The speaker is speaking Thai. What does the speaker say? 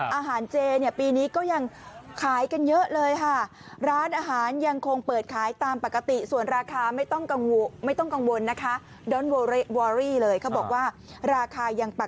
อาหารเจเนี่ยปีนี้ก็ยังขายกันเยอะเลยค่ะ